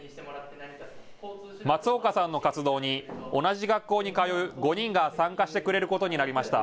松岡さんの活動に同じ学校に通う５人が参加してくれることになりました。